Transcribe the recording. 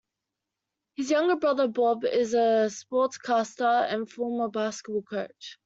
His younger brother, Bob, is a sportscaster and former basketball coach.